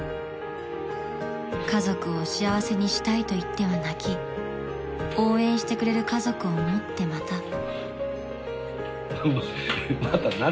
［家族を幸せにしたいと言っては泣き応援してくれる家族を思ってまた］